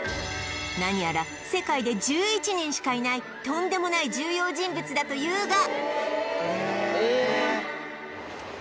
何やら世界で１１人しかいないとんでもない重要人物だというが